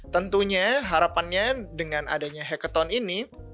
tentunya harapannya dengan adanya hacketon ini